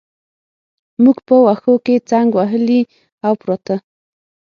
موږ په وښو کې څنګ وهلي او پراته.